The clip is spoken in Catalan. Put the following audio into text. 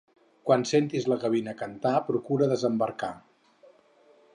Quan sentis la gavina cantar, procura desembarcar.